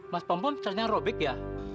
mas pompom ternyata yang robek ya